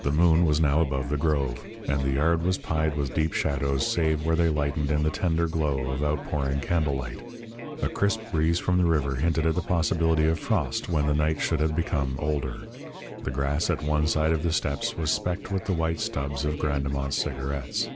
The moon was now above the grove, and the yard was pied with deep shadows save where they lightened in the tender glow of outpouring candle light. A crisp breeze from the river hinted at the possibility of frost when the night should have become older. The grass at one side of the steps was specked with the white stubs of Grandemont's cigarettes.